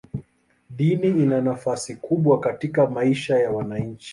Dini ina nafasi kubwa katika maisha ya wananchi.